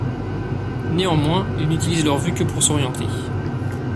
Néanmoins, ils n'utilisent leur vue que pour s'orienter.